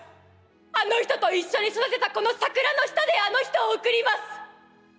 あの人と一緒に育てたこの桜の下であの人を送ります。